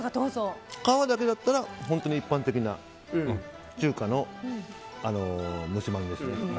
皮だけだったら本当に一般的な中華の蒸しまんですね。